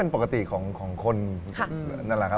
เออยังไง